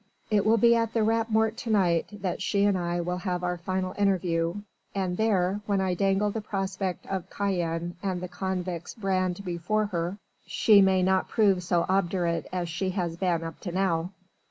It will be at the Rat Mort to night that she and I will have our final interview, and there when I dangle the prospect of Cayenne and the convict's brand before her, she may not prove so obdurate as she has been up to now."